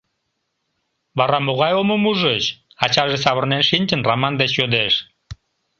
— Вара могай омым ужыч? — ачаже, савырнен шинчын, Раман деч йодеш.